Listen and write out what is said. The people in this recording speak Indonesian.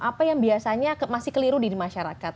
apa yang biasanya masih keliru di masyarakat